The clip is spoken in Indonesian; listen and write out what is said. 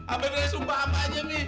ambil dari sumpah mbak aja mi